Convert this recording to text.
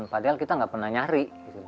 padahal kita nggak pernah nyari